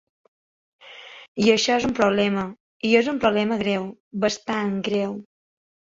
I això és un problema i és un problema greu, bastant greu.